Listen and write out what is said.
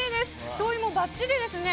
しょうゆもばっちりですね。